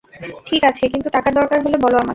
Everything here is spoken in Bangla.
ঠিক আছে, কিন্তু টাকার দরকার হলে বলো আমাকে।